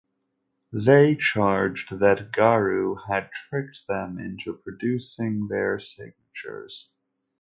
They charged that Garau had tricked them into producing their signatures.